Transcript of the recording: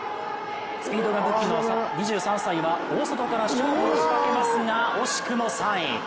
スピードが武器の２３歳は大外から勝負を仕掛けますが惜しくも３位。